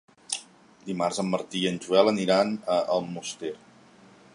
Dimarts en Martí i en Joel aniran a Almoster.